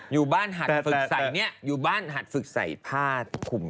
อยู่บ้านหัดฝึกใส่เนี่ยอยู่บ้านหัดฝึกใส่ผ้าคุม